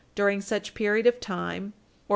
. during such period of time, or .